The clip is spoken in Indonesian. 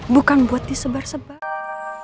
bukan buat disebar sebar